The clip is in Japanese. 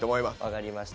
分かりました。